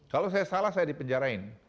kalau saya salah saya dipenjarain